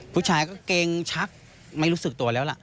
ผู้ชายก็เกรงชักไม่รู้สึกตัวแล้วล่ะ